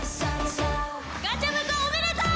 ・ガチャムクおめでとう！